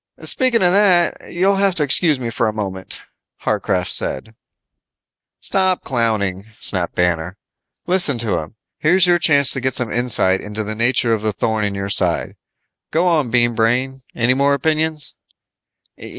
"Speaking of that, you'll have to excuse me for a moment," Warcraft said. "Stop clowning," snapped Banner. "Listen to him. Here's your chance to get some insight into the nature of the thorn in your side. Go on, Bean Brain. Any more opinions?"